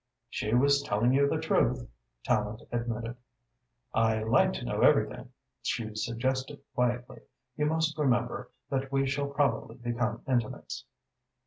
"She was telling you the truth," Tallente admitted. "I like to know everything," she suggested quietly. "You must remember that we shall probably become intimates."